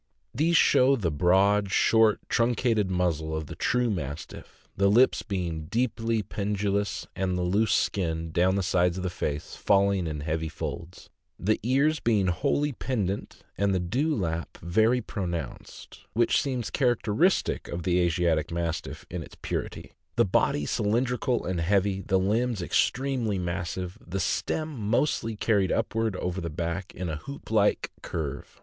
These show the broad, short, truncated muzzle of the true Mastiff, the lips being deeply pendulous, and the loose skin, down the sides of the face, falling in heavy folds; the ears being wholly pendent and the dewlap very pronounced (which seems characteristic of the Asiatic Mastiff in its purity), the body cylindrical and heavy, the limbs extremely massive, the stem mostly carried upward over the back in a hoop like curve.